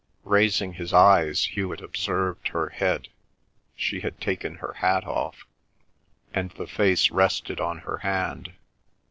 Raising his eyes Hewet observed her head; she had taken her hat off, and the face rested on her hand.